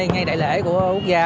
ngay đại lễ của quốc gia